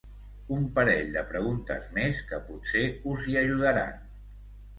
Un parell de preguntes més que potser us hi ajudaran.